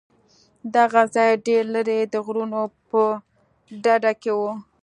دغه ځاى ډېر لرې د غرونو په ډډه کښې و.